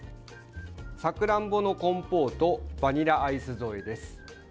さくらんぼのコンポートバニラアイス添えです。